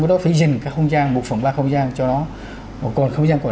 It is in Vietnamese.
cái đó phải dình cái không gian một phần ba không gian cho nó còn không gian còn